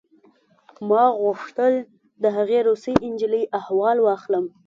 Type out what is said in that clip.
ما غوښتل د هغې روسۍ نجلۍ احوال واخلم